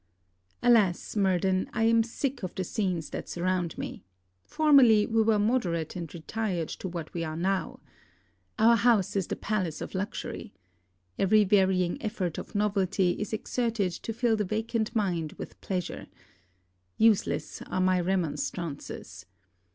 Alas, Murden, I am sick of the scenes that surround me! formerly, we were moderate and retired to what we are now. Our house is the palace of luxury. Every varying effort of novelty is exerted to fill the vacant mind with pleasure. Useless are my remonstrances.